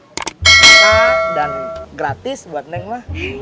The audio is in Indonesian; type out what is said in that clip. kita dan gratis buat nenk mah